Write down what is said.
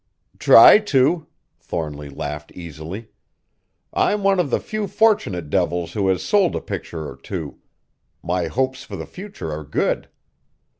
"Try to," Thornly laughed easily. "I'm one of the few fortunate devils who has sold a picture or two. My hopes for the future are good."